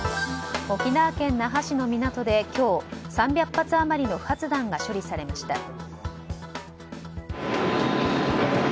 沖縄県那覇市の港で今日３００発余りの不発弾が処理されました。